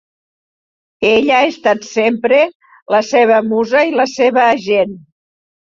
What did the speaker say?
Ella ha estat sempre la seva musa i la seva agent.